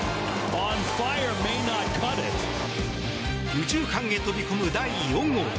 右中間へ飛び込む第４号。